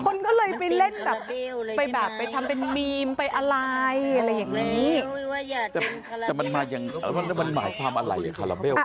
คนก็เลยไปเล่นไปทำเป็นภารกิจการย่อมูลไปอะไร